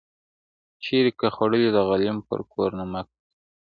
چيري که خوړلی د غلیم پر کور نمګ وي یار,